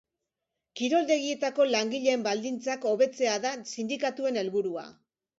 Kiroldegietako langileen baldintzak hobetzea da sindikatuen helburua.